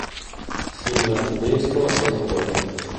Simile al tedesco a sei colori.